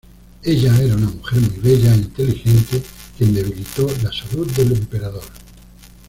Ella era una mujer muy bella e inteligente, quien debilitó la salud del emperador.